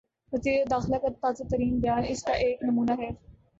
وزیر داخلہ کا تازہ ترین بیان اس کا ایک نمونہ ہے۔